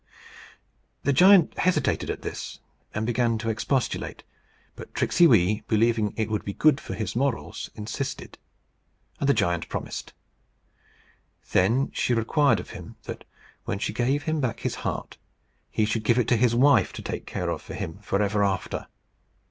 The giant hesitated at this, and began to expostulate; but Tricksey Wee, believing it would be good for his morals, insisted; and the giant promised. Then she required of him, that, when she gave him back his heart, he should give it to his wife to take care of for him for ever after.